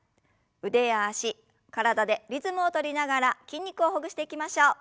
腕や脚体でリズムを取りながら筋肉をほぐしていきましょう。